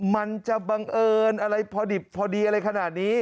มันจะบังเอิญอะไรพอดิบพอดีอะไรขนาดนี้